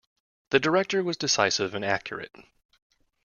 The Director was decisive and accurate.